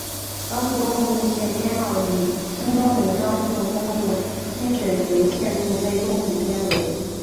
高速公路路线编号与新东名高速公路清水联络路被共同编为。